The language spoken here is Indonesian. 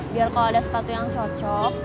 biar kalau ada sepatu yang cocok